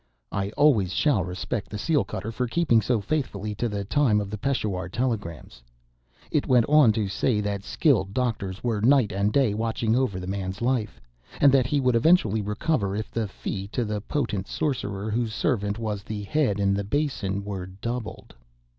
I always shall respect the seal cutter for keeping so faithfully to the time of the Peshawar telegrams. It went on to say that skilled doctors were night and day watching over the man's life; and that he would eventually recover if the fee to the potent sorcerer, whose servant was the head in the basin, were doubled.